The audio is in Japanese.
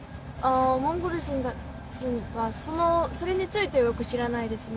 モンゴル人はそれについてはよく知らないですね。